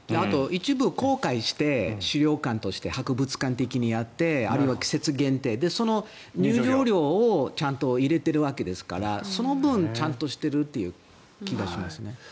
一部、公開して資料館として博物館的にやってあるいは季節限定にしてその入場料をちゃんと入れているわけですからその分、ちゃんとしているっていう気がしますね。